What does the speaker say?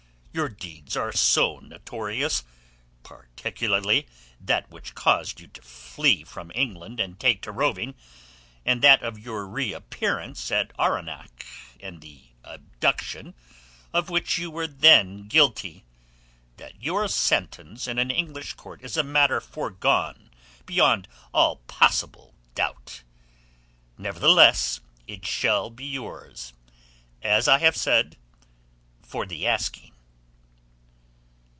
Your deeds are so notorious—particularly that which caused you to flee from England and take to roving, and that of your reappearance at Arwenack and the abduction of which you were then guilty—that your sentence in an English court is a matter foregone beyond all possible doubt. Nevertheless, it shall be yours, as I have said, for the asking.